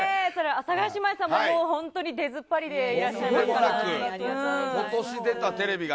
阿佐ヶ谷姉妹さんも、もう本当に出ずっぱりでいらっしゃいますが。